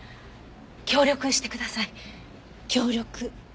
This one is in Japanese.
協力してください。協力？